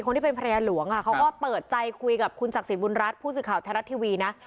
ที่เป็นภรรยาหลวงเขาก็เปิดใจคุยกับคุณศักดิ์สิทธิบุญรัฐผู้สื่อข่าวไทยรัฐทีวีนะ